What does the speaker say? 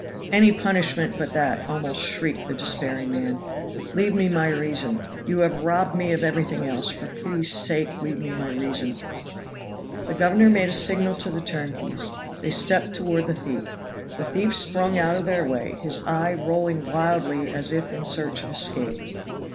"Any punishment but that," almost shrieked the despairing man. "Leave me my reason. You have robbed me of everything else. For pity's sake leave me my reason!" The governor made a signal to the turnkeys; they stepped toward the thief. The thief sprung out of their way, his eye rolling wildly as if in search of escape.